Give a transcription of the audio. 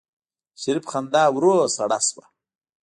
د شريف خندا ورو سړه شوه.